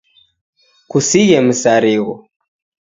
Kusighe misarigho.